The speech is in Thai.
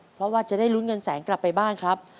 เพราะว่าจะได้ลุ้นเงินแสนกลับไปบ้านครับ